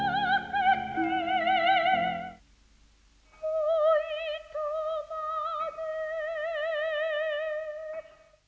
「おいとまで」